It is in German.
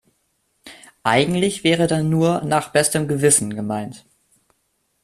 Eigentlich wäre dann nur "nach bestem Gewissen" gemeint.